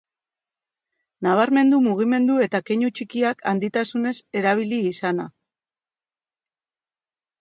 Nabarmendu mugimendu eta keinu txikiak handitasunez erabili izana.